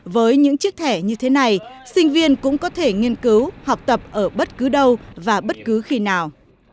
với những chiếc thẻ như thế này sinh viên cũng có thể nghiên cứu học tập ở bất cứ đâu và bất cứ khi nào